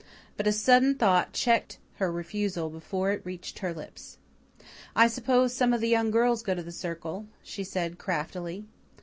But a sudden thought checked her refusal before it reached her lips. "I suppose some of the young girls go to the Circle?" she said craftily.